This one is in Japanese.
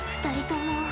２人とも。